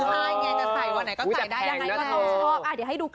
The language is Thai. อันนี้แง่ประชดนิดนึง